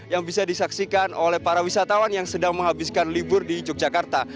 yang bisa disaksikan oleh para wisatawan yang sedang menghabiskan libur di yogyakarta